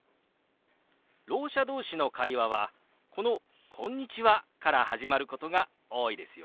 ろう者同士の会話はこの「こんにちは」から始まることが多いですよ。